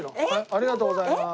ありがとうございます。